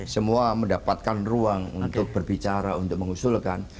semua mendapatkan ruang untuk berbicara untuk mengusulkan